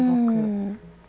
うん。